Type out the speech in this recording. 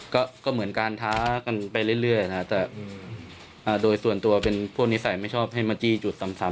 ก็เหมือนการท้ากันไปเรื่อยนะแต่โดยส่วนตัวเป็นพวกนิสัยไม่ชอบให้มาจี้จุดซ้ำ